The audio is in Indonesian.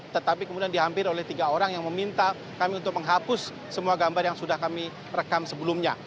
tetapi kemudian dihampir oleh tiga orang yang meminta kami untuk menghapus semua gambar yang sudah kami rekam sebelumnya